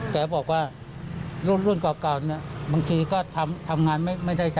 แต่บอกว่ารุ่นก่อนเนี่ยบางทีก็ทำงานไม่ได้ใจแจ